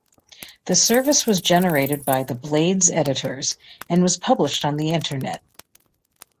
The service was generated by the "Blade"s editors and was published on the internet.